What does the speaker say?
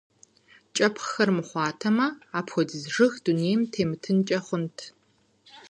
КIэпхъхэр мыхъуатэмэ, апхуэдиз жыг дунейм темытынкIэ хъунт.